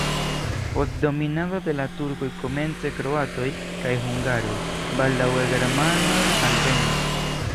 Post dominado de la turkoj komence kroatoj kaj hungaroj, baldaŭe germanoj alvenis.